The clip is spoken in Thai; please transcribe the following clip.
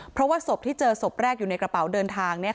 เพราะว่าศพที่เจอศพแรกอยู่ในกระเป๋าเดินทาง